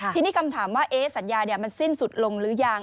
ทีนี้คำถามว่าสัญญามันสิ้นสุดลงหรือยัง